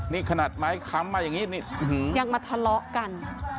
นี่ขนาดไม้ค้ำมาอย่างนี้นี่ยังมาทะเลาะกัน